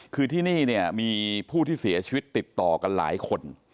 คือที่นี่เนี่ยมีผู้ที่เสียชีวิตติดต่อกันหลายคน